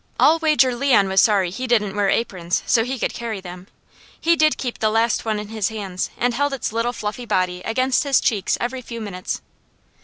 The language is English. I'll wager Leon was sorry he didn't wear aprons so he could carry them. He did keep the last one in his hands, and held its little fluffy body against his cheeks every few minutes.